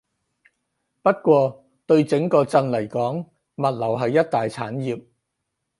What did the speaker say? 不過對整個鎮嚟講，物流係一大產業